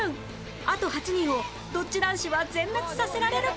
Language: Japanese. あと８人をドッジ男子は全滅させられるか？